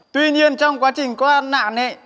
tuy nhiên trong quá trình có nạn